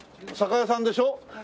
酒屋さんでしょ？